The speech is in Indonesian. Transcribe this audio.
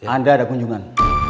anda ada kunjungan